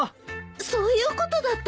そういうことだったのね。